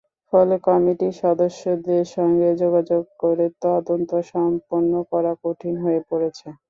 ফলে কমিটির সদস্যদের সঙ্গে যোগাযোগ করে তদন্ত সম্পন্ন করা কঠিন হয়ে পড়েছে।